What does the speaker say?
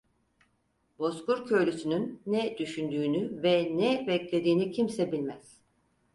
Bozkır köylüsünün ne düşündüğünü ve ne beklediğini kimse bilmez.